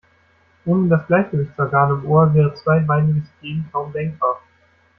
Ohne das Gleichgewichtsorgan im Ohr wäre zweibeiniges Gehen kaum denkbar.